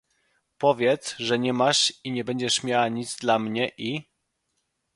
"Powiedz, że nie masz i nie będziesz miała nic dla mnie i..."